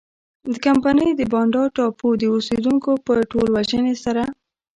د کمپنۍ د بانډا ټاپو د اوسېدونکو په ټولوژنې سره.